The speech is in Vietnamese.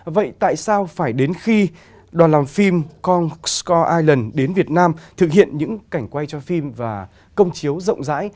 vậy tại sao phải đến khi đoàn làm phim con score iland đến việt nam thực hiện những cảnh quay cho phim và công chiếu rộng rãi